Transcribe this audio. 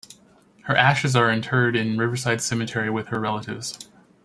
Her ashes are interred in Riverside Cemetery with her relatives.